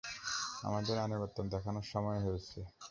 আমাদের আনুগত্য দেখানোর সময় হয়েছে!